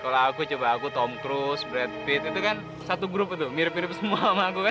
kalo aku coba aku tom cruise brad pitt itu kan satu grup itu mirip mirip semua sama aku kan